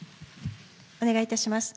お願い致します。